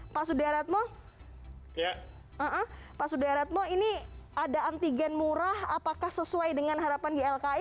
pak sudaratmo ini ada antigen murah apakah sesuai dengan harapan ylki